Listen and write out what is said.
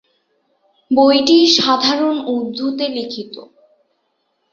বইটি সাধারণ উর্দুতে লিখিত।